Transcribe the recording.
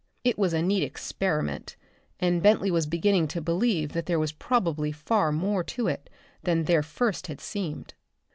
It was a neat "experiment," and Bentley was beginning to believe that there was probably far more to it than there first had seemed.